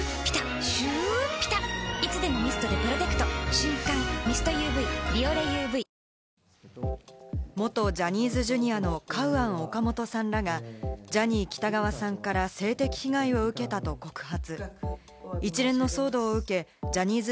瞬感ミストＵＶ「ビオレＵＶ」元ジャニーズＪｒ．のカウアン・オカモトさんらがジャニー喜多川さんから性的被害を受けたと告発。